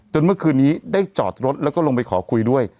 เมื่อคืนนี้ได้จอดรถแล้วก็ลงไปขอคุยด้วย